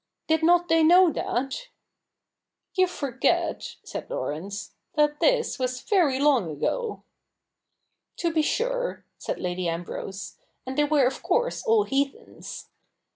' Did not they know that ?'' You forget,' said Laurence, ' that this was vei y long ago.' ' To be sure,' said Lady Ambrose :' and they were of course all heathens.